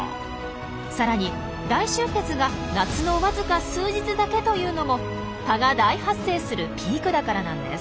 さらに大集結が夏の僅か数日だけというのも蚊が大発生するピークだからなんです。